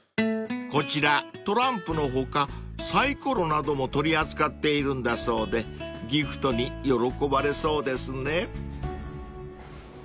［こちらトランプの他サイコロなども取り扱っているんだそうでギフトに喜ばれそうですね］